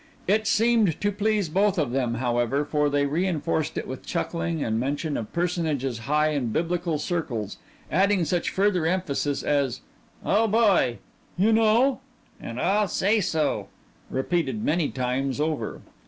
It seemed to please both of them, however, for they reinforced it with chuckling and mention of personages high in biblical circles, adding such further emphasis as "Oh, boy!" "You know!" and "I'll say so!" repeated many times over.